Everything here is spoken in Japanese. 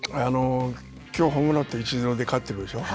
きょう、ホームランを打って１・０で勝っているでしょう。